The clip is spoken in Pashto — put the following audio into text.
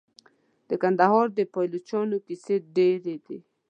د کندهار د پایلوچانو کیسې ډیرې دي.